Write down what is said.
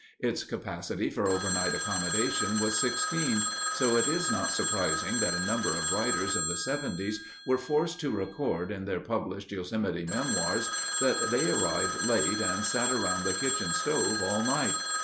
Its capacity for overnight accommodation was sixteen; so it is not surprising that a number of writers of the 'seventies were forced to record, in their published Yosemite memoirs, that they arrived late and sat around the kitchen stove all night.